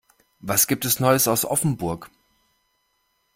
Was gibt es neues aus Offenburg?